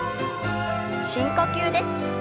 深呼吸です。